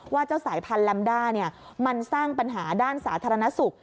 ว่าเจ้าสายพันลำด้ามันสร้างปัญหาด้านศาสตราณสุข